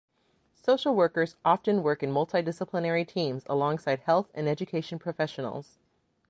Social workers often work in multi-disciplinary teams alongside health and education professionals.